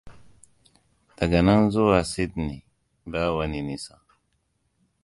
Daga nan zuwa Sydey ba wani nisa.